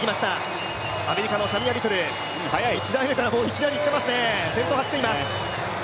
アメリカのシャミア・リトル１台目からもういきなりいってますね、先頭を走っています。